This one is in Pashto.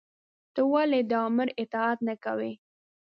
تۀ ولې د آمر اطاعت نۀ کوې؟